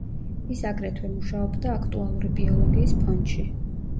ის აგრეთვე მუშაობდა აქტუალური ბიოლოგიის ფონდში.